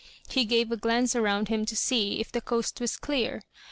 He gave a glance round him to see if the coast was clear.